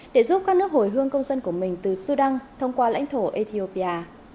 để giúp các nước hồi hương công dân của mình từ sudan thông qua lãnh thổ ethiopia